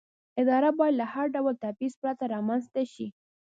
اداره باید له هر ډول تبعیض پرته رامنځته شي.